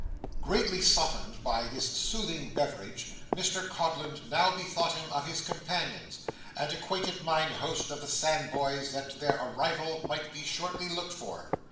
Greatly softened by this soothing beverage, Mr Codlin now bethought him of his companions, and acquainted mine host of the Sandboys that their arrival might be shortly looked for.